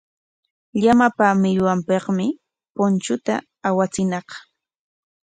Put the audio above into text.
Llamapa millwanpikmi punchunta awachiñaq.